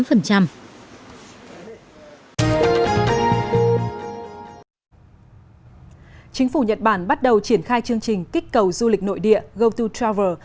chính phủ nhật bản bắt đầu triển khai chương trình kích cầu du lịch nội địa gototravel